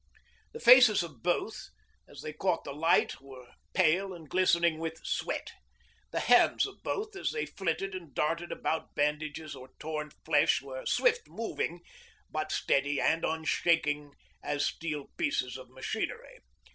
The faces of both as they caught the light were pale and glistening with sweat. The hands of both as they flitted and darted about bandages or torn flesh were swift moving, but steady and unshaking as steel pieces of machinery.